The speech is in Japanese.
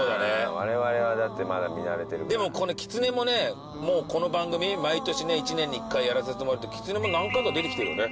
われわれはだってまだ見慣れてるからでもこのキツネもねもうこの番組毎年ね１年に１回やらせてもらってキツネも何回か出てきてるよね